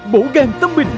bổ gan tâm bình